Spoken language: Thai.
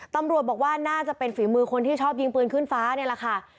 ตำรวจบอกว่าน่าจะเป็นฝีมือคนที่ชอบยิงปืนขึ้นฟ้านี่แหละค่ะ